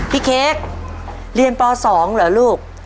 เค้กเรียนป๒เหรอลูก